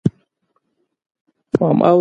پالک او چغندر د پخلي لپاره غوره دي.